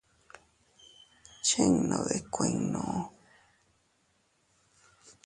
¿Chinnud ikuinnu?